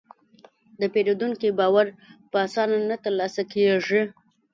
د پیرودونکي باور په اسانه نه ترلاسه کېږي.